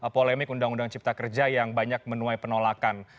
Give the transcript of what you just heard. polemik undang undang cipta kerja yang banyak menuai penolakan